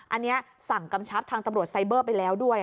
อันนี้สั่งกำชับทางตำรวจไซเบอร์ไปแล้วด้วย